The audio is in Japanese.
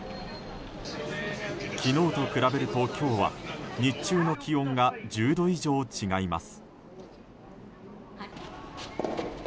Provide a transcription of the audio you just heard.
昨日と比べると今日は日中の気温が１０度以上違います。